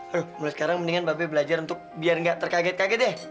aduh mulai sekarang mendingan mbak be belajar untuk biar enggak terkaget kaget ya